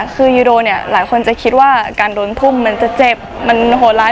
คือยูโดเนี่ยหลายคนจะคิดว่าการโดนทุ่มมันจะเจ็บมันโหดร้าย